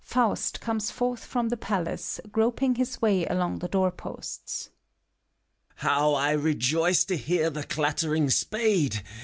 FAUST (comes forth from the Palace, groping his way along the doorposts). How I rejoice, to hear the clattering spade